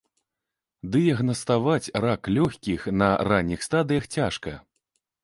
Дыягнаставаць рак лёгкіх на ранніх стадыях цяжка.